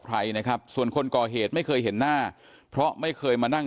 ใครนะครับส่วนคนก่อเหตุไม่เคยเห็นหน้าเพราะไม่เคยมานั่ง